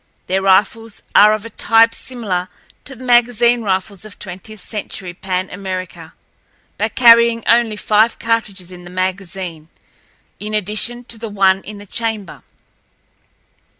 Their rifles are of a type similar to the magazine rifles of twentieth century Pan America, but carrying only five cartridges in the magazine, in addition to the one in the chamber.